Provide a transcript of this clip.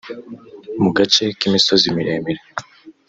Mu gace k’imisozi miremire